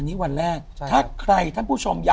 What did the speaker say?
ที่บ้านหรือที่ไหนฮะ